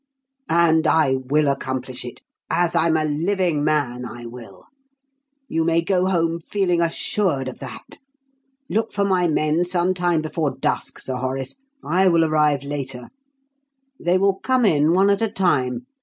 "And I will accomplish it as I'm a living man, I will! You may go home feeling assured of that. Look for my men some time before dusk, Sir Horace I will arrive later. They will come in one at a time.